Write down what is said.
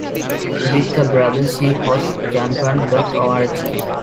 With her brother, she hosts Chanpon dot org.